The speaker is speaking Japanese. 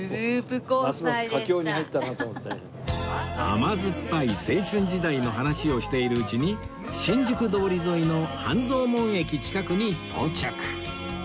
甘酸っぱい青春時代の話をしているうちに新宿通り沿いの半蔵門駅近くに到着